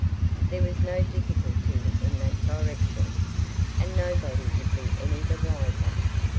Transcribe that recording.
There was no difficulty in that direction, and nobody would be any the wiser.